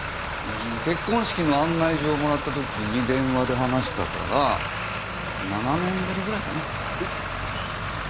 結婚式の案内状をもらったときに電話で話したから７年ぶりぐらいかな？